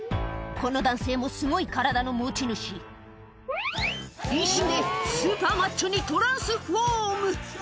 この男性もすごい体の持ち主一瞬でスーパーマッチョにトランスフォーム！